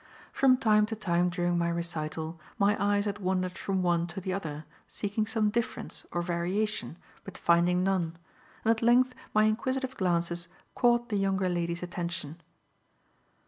From time to time during my recital my eyes had wandered from one to the other seeking some difference or variation but finding none, and at length my inquisitive glances caught the younger lady's attention.